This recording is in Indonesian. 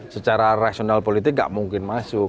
secara rasional politik nggak mungkin masuk